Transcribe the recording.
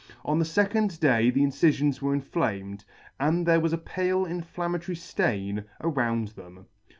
On the fecond day the incifions were inflamed, and there was a pale inflammatory ftain around them.